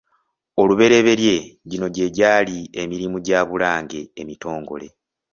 Oluberyeberye gino gye gyali emirimu gya Bulange emitongole.